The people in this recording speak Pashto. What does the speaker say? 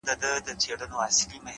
مهرباني د زړونو ترمنځ فاصله کموي’